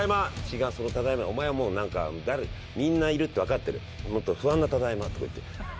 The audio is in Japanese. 「違うその『ただいま』はお前はもう何かみんないるって分かってるもっと不安な『ただいま』」とかいって。